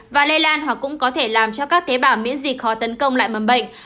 và lây lan hoặc cũng có thể làm cho các tế bào miễn dịch khó tấn công lại mầm bệnh